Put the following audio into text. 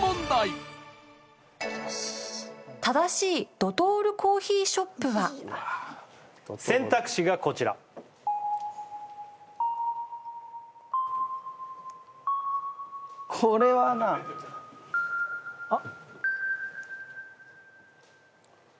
ドトール選択肢がこちらこれはなあっ